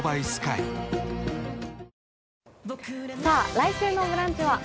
来週の「ブランチ」は？